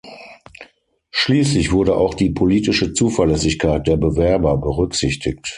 Schließlich wurde auch die „politische Zuverlässigkeit“ der Bewerber berücksichtigt.